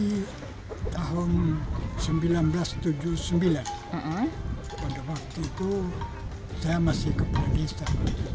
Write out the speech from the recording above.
dari tahun seribu sembilan ratus tujuh puluh sembilan pada waktu itu saya masih kepulauan di sana